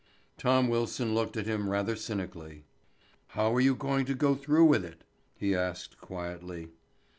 Tom Wilson looked at him rather cynically. "How are you going to go through with it?" he asked quietly.